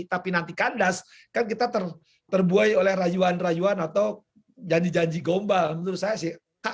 tapi nanti kandas kan kita terbuai oleh rayuan rayuan atau janji janji gombal menurut saya sih